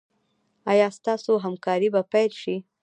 ایا ستاسو همکاري به پیل شي؟